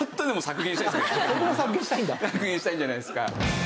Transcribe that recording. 削減したいんじゃないですか？